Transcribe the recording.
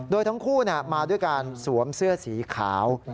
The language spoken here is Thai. โดยทั้งคู่มาด้วยการสวมเสื้อสีขาว